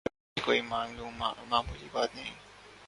اور یہ کوئی معمولی بات نہیں۔